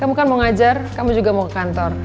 kamu kan mau ngajar kamu juga mau ke kantor